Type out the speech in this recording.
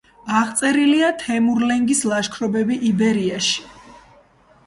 აღწერილია თემურლენგის ლაშქრობები იბერიაში.